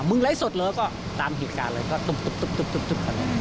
มึงไร้สดเหรอก็ตามเหตุการณ์เลยก็ตุ๊บตุ๊บตุ๊บตุ๊บ